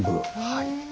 はい。